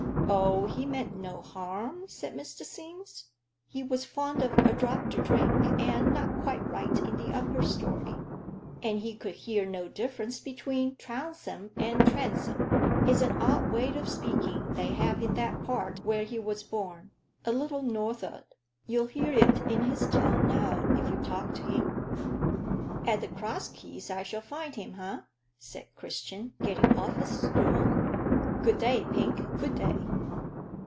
"Oh, he meant no harm," said Mr. Sims. "He was fond of a drop to drink, and not quite right in the upper story, and he could hear no difference between Trounsem and Transome. It's an odd way of speaking they have in that part where he was born a little north'ard. You'll hear it in his tongue now, if you talk to him." "At the Cross Keys I shall find him, eh?" said Christian, getting off his stool. "Good day, Pink good day."